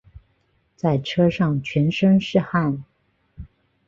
在车上全身是汗